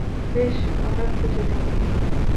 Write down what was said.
বেশ, আমরা খোঁজে দেখব?